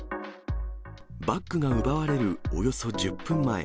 バッグが奪われるおよそ１０分前。